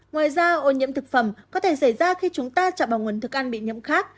ngoài ra ô nhiễm thực phẩm có thể xảy ra khi chúng ta chạm vào nguồn thức ăn bị nhiễm khác